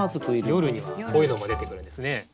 夜にはこういうのも出てくるんですね。